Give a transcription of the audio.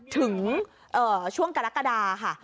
ถึงช่วงกรกฎาค่ะ